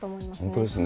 本当ですね。